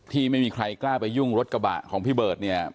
ที่ไม่มีใครกล้าไปยุ่งรถกระบะของพี่เบิร์ตเนี่ย